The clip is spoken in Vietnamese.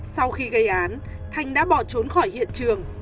sau khi gây án thành đã bỏ trốn khỏi hiện trường